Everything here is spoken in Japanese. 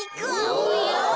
おや！